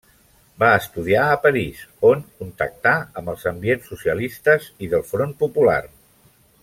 Va estudiar a París, on contactà amb els ambients socialistes i del Front Popular.